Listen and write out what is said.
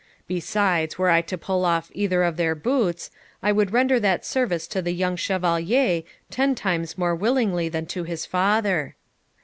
Besides, were I to pull off either of their boots, I would render that service to the young Chevalier ten times more willingly than to his father.'